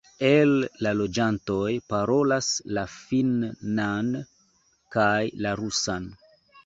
El la loĝantoj parolas la finnan kaj la rusan.